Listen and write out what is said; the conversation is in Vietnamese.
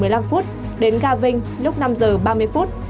lúc hai mươi hai h một mươi năm đến gà vinh lúc năm h ba mươi